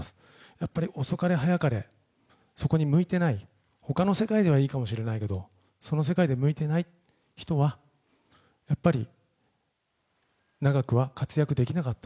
やっぱり遅かれ早かれ、そこに向いていない他の世界ではいいかもしれないけれども、その世界で向いていない人は、やっぱり長くは活躍できなかった。